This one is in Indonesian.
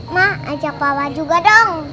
ma ajak papa juga dong